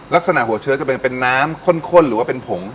ลักษณะหัวเชื้อจะเป็นเป็นน้ำข้นหรือว่าเป็นผง